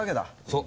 そう。